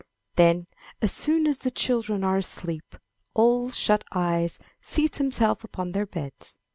Then as soon as the children are asleep, Ole Shut eyes seats himself upon their beds.